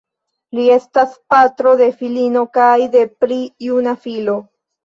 Li estas patro de filino kaj de pli juna filo.